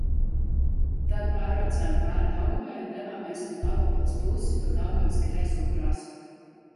Tad pārbraucām pāri Daugavai un devāmies uz Daugavpils pusi pa Daugavas kreiso krastu.